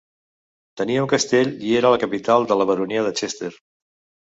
Tenia un castell i era la capital de la baronia de Chester.